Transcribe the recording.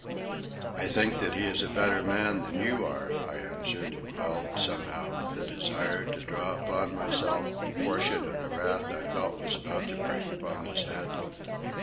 "I think that he is a better man than you are," I answered, impelled, somehow, with a desire to draw upon myself a portion of the wrath I felt was about to break upon his head.